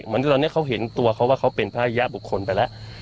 ตอนนี้เขาเห็นตัวเขาว่าเขาเป็นภรรยาบุคคลไปแล้ว